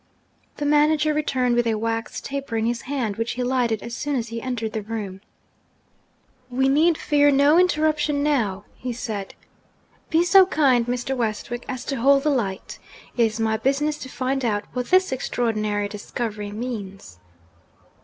The manager returned with a wax taper in his hand, which he lighted as soon as he entered the room. 'We need fear no interruption now,' he said. 'Be so kind, Mr. Westwick, as to hold the light. It is my business to find out what this extraordinary discovery means.'